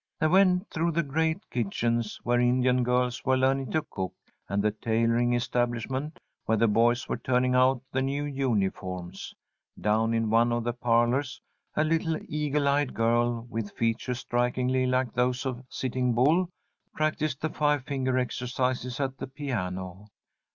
They went through the great kitchens, where Indian girls were learning to cook, and the tailoring establishment where the boys were turning out the new uniforms. Down in one of the parlours a little eagle eyed girl, with features strikingly like those of Sitting Bull, practised the five finger exercises at the piano.